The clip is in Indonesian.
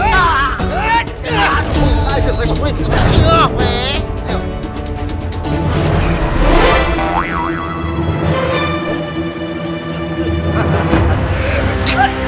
ya ampun bapak sadar